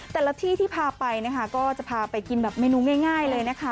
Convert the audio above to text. แต่ละที่ที่พาไปนะคะก็จะพาไปกินแบบเมนูง่ายเลยนะคะ